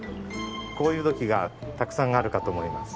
こういう土器がたくさんあるかと思います。